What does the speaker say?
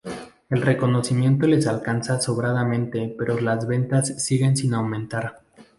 El reconocimiento les alcanza sobradamente pero las ventas siguen sin aumentar.